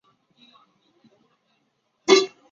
槽茎凤仙花是凤仙花科凤仙花属的植物。